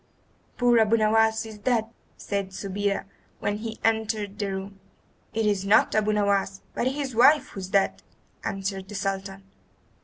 "Poor Abu Nowas is dead!" said Subida when he entered the room. "It is not Abu Nowas, but his wife who is dead," answered the Sultan.